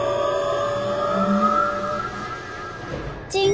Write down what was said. チン！